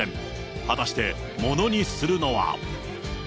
果たしてものにするのは。